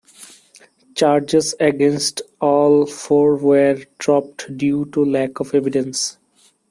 Charges against all four were dropped due to lack of evidence.